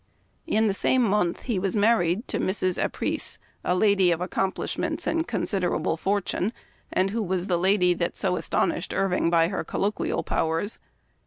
In the same month he was married to Mrs. Apreece, a lady of accomplishments and considerable fortune, and who was the lady that so astonished Irving by her colloquial powers.